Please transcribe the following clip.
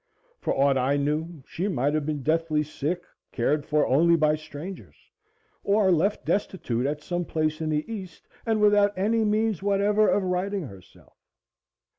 For aught I knew, she might have been deathly sick, cared for only by strangers or left destitute at some place in the East and without any means whatever of righting herself.